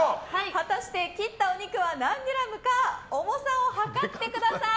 果たして切ったお肉は何グラムか重さを量ってください！